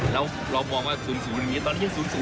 แล้วเรามองว่า๐๐ตอนนี้ยัง๐๐อยู่นะ